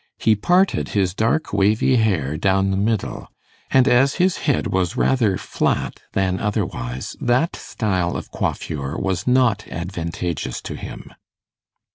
He parted his dark wavy hair down the middle; and as his head was rather flat than otherwise, that style of coiffure was not advantageous to him.